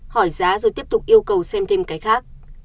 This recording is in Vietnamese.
hỏi giá rồi tiếp tục yêu cầu xem thêm cái khác